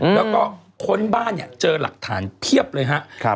แล้วก็ค้นบ้านเนี่ยเจอหลักฐานเพียบเลยครับ